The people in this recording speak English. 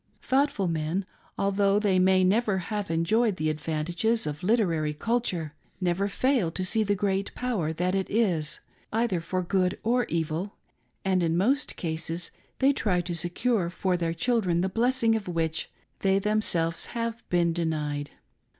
Thought 270 EDUCATION AT A DISCOUNT. ful men, although they may never have enjoyed the advan tages of literary culture, never fail to see the great power that it is, either for good or evil ; and in most cases they try to secure for their children the blessing of which they themselves have been denied.